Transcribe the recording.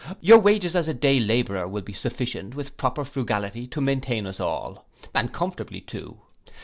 Your wages, as a day labourer, will be full sufficient, with proper frugality, to maintain us all, and comfortably too.